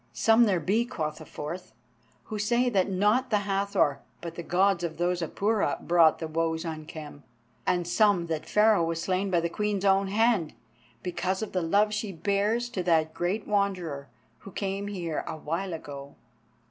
"Some there be," quoth a fourth, "who say that not the Hathor, but the Gods of those Apura brought the woes on Khem, and some that Pharaoh was slain by the Queen's own hand, because of the love she bears to that great Wanderer who came here a while ago."